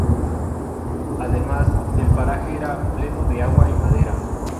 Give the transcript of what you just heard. Además, el paraje era pleno de agua y madera.